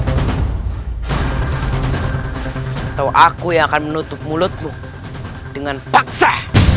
atau aku yang akan menutup mulutmu dengan paksa